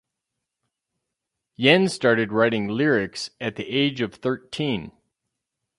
Yen started writing lyrics at the age of thirteen.